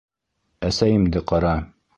— Әсәйемде ҡара.